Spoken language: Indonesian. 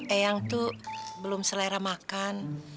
eyang tuh belum selera makan